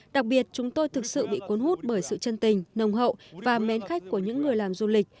đặc biệt chúng tôi thực sự bị cuốn hút bởi sự chân tình nồng hậu và mến khách của những người làm du lịch